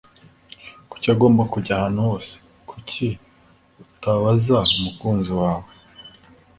Kuki agomba kujya ahantu hose? Kuki utabaza umukunzi wawe?